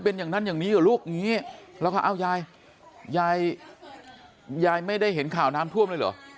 เป็นอย่างนั้นอย่างนี้เหรอลูกแล้วก็เอายายไม่ได้เห็นข่าวน้ำท่วมเลยเหรอ